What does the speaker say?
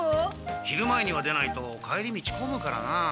昼前には出ないと帰り道混むからな。